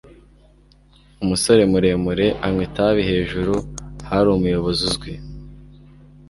umusore muremure unywa itabi hejuru hari umuyobozi uzwi